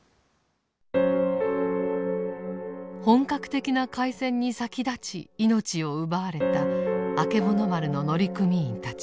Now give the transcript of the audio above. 本格的な海戦に先立ち命を奪われたあけぼの丸の乗組員たち。